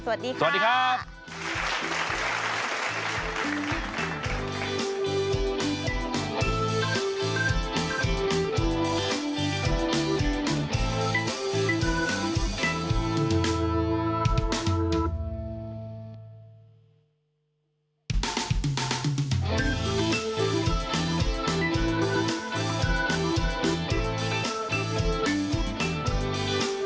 สวัสดีค่ะสวัสดีครับ